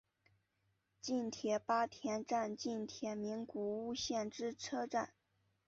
近铁八田站近铁名古屋线之车站。